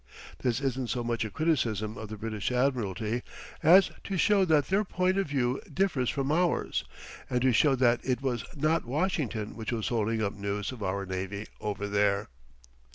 This isn't so much a criticism of the British Admiralty as to show that their point of view differs from ours; and to show that it was not Washington which was holding up news of our navy over there.